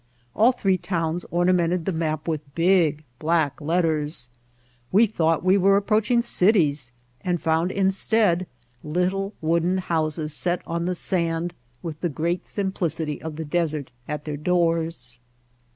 All three towns ornamented the map with big black letters. We thought we were approaching cities and found instead little wooden houses set on the sand with the great simplicity of the desert at their doors.